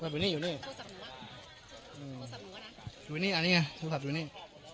อยู่นี่อยู่นี่อันนี้ไงดูขับดูนี่